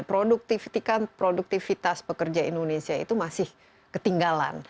productivity kan produktivitas pekerja indonesia itu masih ketinggalan